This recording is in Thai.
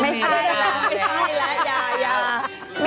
ไม่ใช่แล้วไม่ใช่แล้วยายา